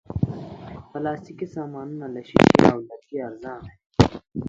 پلاستيکي سامانونه له شیشې او لرګي ارزانه دي.